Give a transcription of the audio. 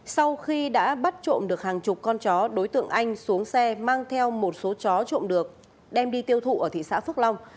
sau khi đã bắt trộm được hàng chục con chó đối tượng anh xuống xe mang theo một số chó trộn được đem đi tiêu thụ ở thị xã phước long